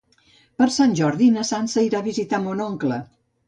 Per Sant Jordi na Sança irà a visitar mon oncle.